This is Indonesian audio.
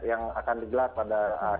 yang akan digelar pada